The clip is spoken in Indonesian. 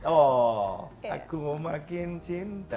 oh aku makin cinta